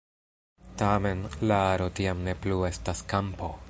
Tamen, la aro tiam ne plu estas kampo.